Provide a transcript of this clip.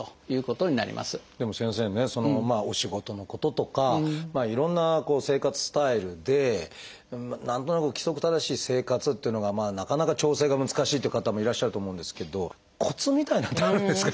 でも先生ねお仕事のこととかいろんな生活スタイルで何となく規則正しい生活っていうのがなかなか調整が難しいっていう方もいらっしゃると思うんですけどコツみたいなのってあるんですかね？